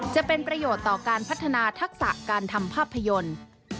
จะเป็นประโยชน์ต่อการพัฒนาทักษะการทำภาพยนตร์